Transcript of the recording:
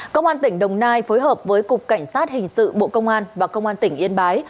công an tỉnh đồng nai phối hợp với cục cảnh sát hình sự bộ công an và công an tỉnh yên bái